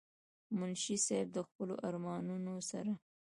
منشي صېب د خپلو ارمانونو سره